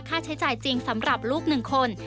ค่าใช้จ่ายจริงสำหรับลูก๑คน